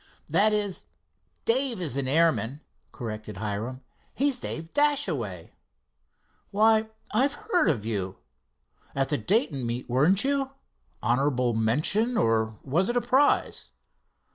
"That is, Dave is an airman," corrected Hiram. "He's Dave Dashaway." "Why, I've heard of you. At the Dayton meet, weren't you? Honorable mention, or was it a prize?"